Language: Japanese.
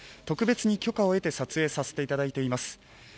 特別に許可を得て撮影させていただいています